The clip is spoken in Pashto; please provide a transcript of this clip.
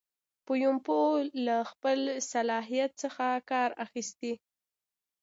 پومپیو له خپل صلاحیت څخه کار اخیستی.